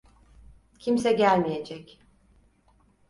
Kimse gelmeyecek.